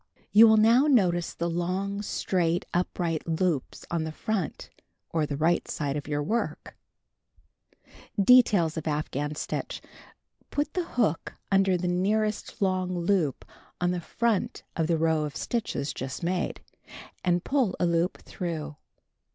You will now notice the long straight upright loops on the front, or the right side, of your work. Cut 4. Put the hook under the nearest long loop on the front of the row of stitches just made, and pull a loop through.